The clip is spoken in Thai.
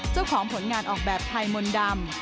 เจ้าของผลงานออกแบบไทยมนต์ดำ